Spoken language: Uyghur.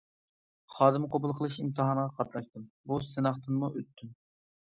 خادىم قوبۇل قىلىش ئىمتىھانىغا قاتناشتىم، بۇ سىناقتىنمۇ ئۆتتۈم.